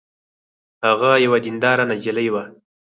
هغه یوه دینداره نجلۍ وه